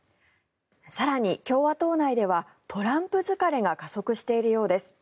更に共和党内ではトランプ疲れが加速しているようです。